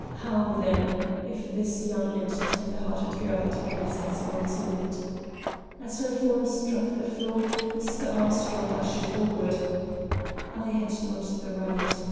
How, then, if this young and tender hearted girl had been insensible to it! As her form struck the floor Mr. Armstrong rushed forward; I had not the right.